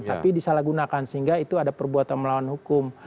tapi disalahgunakan sehingga itu ada perbuatan melawan hukum